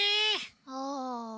ああ。